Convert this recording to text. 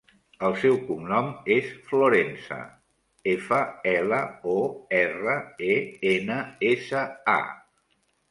El seu cognom és Florensa: efa, ela, o, erra, e, ena, essa, a.